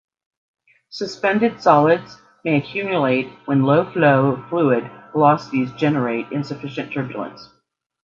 Suspended solids may accumulate when low-flow fluid velocities generate insufficient turbulence.